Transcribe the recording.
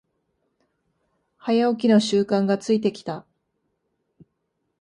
早起きの習慣がついてきた